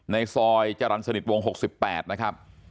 ในซอยจรรย์สนิทวง๖๘นะครับ